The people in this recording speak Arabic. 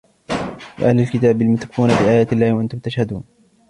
يا أهل الكتاب لم تكفرون بآيات الله وأنتم تشهدون